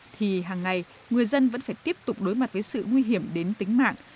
thì hàng ngày người dân vẫn phải tiếp tục đối mặt với sự nguy hiểm đến tính mạng